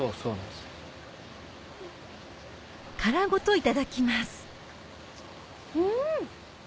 殻ごといただきますうん！